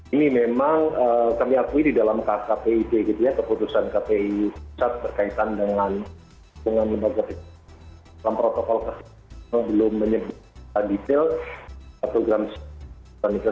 ini memang kami akui di dalam kpi pgt ya keputusan kpi terkaitkan dengan protokol yang belum menyebutkan detail program sinetron